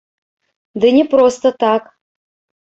Ды не проста так.